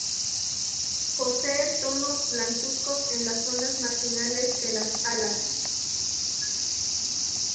Posee tonos blancuzcos en las zonas marginales de las alas.